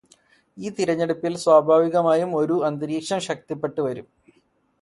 ഈ തിരഞ്ഞെടുപ്പിൽ സ്വാഭാവികമായും ആ ഒരു അന്തരീക്ഷം ശക്തിപ്പെട്ടുവരും.